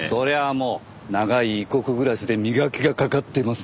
もう長い異国暮らしで磨きがかかってます。